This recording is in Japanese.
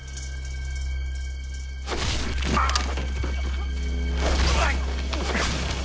あっ！